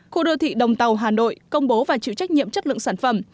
khu đô thị đồng tàu hà nội công bố và chịu trách nhiệm chất lượng sản phẩm